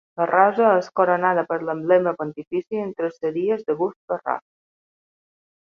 La rosa és coronada per l'emblema pontifici amb traceries de gust barroc.